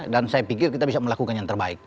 dan saya pikir kita bisa melakukan yang terbaik